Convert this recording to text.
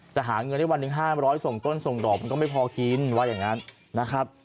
หาเงินได้วันหนึ่ง๕๐๐ส่งก้นส่งดอกมันก็ไม่พอกินว่าอย่างนั้นนะครับ